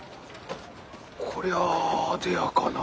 こりゃああでやかな。